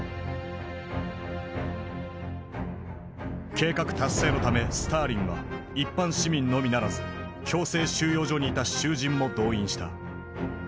計画達成のためスターリンは一般市民のみならず強制収容所にいた囚人も動員した。